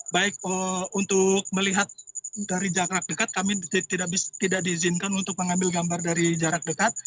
baik untuk melihat dari jarak dekat kami tidak diizinkan untuk mengambil gambar dari jarak dekat